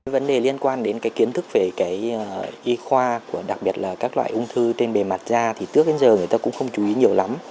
vấn đề liên quan đến cái kiến thức về y khoa đặc biệt là các loại ung thư trên bề mặt da thì trước đến giờ người ta cũng không chú ý nhiều lắm